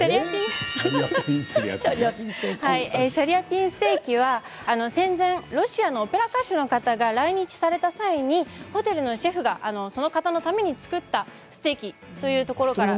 シャリアピンステーキは戦前、ロシアのオペラ歌手の方が来日された際にホテルのシェフがその方のために作ったステーキというところから。